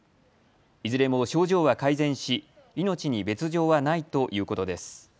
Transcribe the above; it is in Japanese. いずれも症状は改善し命に別状はないということです。